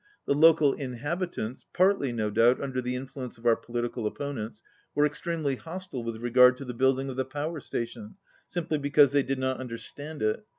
The local inhabitants, partly, no doubt, under the influence of our political opponents, were ex tremely hostile with regard to the building of the power station, simply because they did not under stand it.